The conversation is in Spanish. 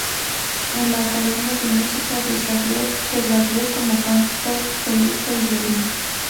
En la Academia de Música de Zagreb, se graduó como canto solista y violín.